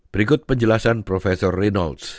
berikut penjelasan prof reynolds